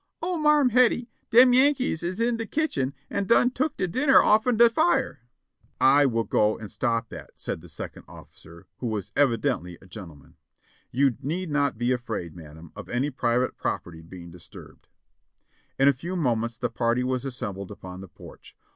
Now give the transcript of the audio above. "O Marm Hettie. dem Yankees is in de kitchen an' dun took de dinner off'n de fire !" "I will go and stop that," said the second officer, who was evi dently a gentleman. "You need not be afraid, madam, of any private property being disturbed." In a few moments the party was assembled upon the porch.